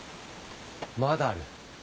まだある。